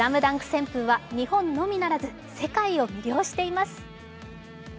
旋風は日本のみならず世界を魅了しています。